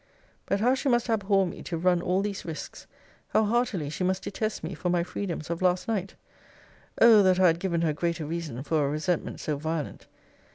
But how she must abhor me to run all these risques; how heartily she must detest me for my freedoms of last night! Oh! that I had given her greater reason for a resentment so violent!